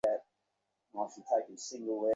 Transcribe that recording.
বঙ্গদেশে বেদশাস্ত্রের একেবারে অপ্রচার বলিলেই হয়।